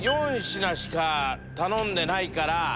４品しか頼んでないから。